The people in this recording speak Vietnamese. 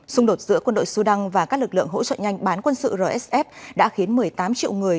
xung đột giữa quân đội sudan và các lực lượng hỗ trợ nhanh bán quân sự rsf đã khiến một mươi tám triệu người